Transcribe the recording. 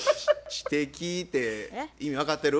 知的て意味分かってる？